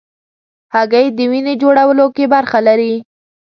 هګۍ د وینې جوړولو کې برخه لري.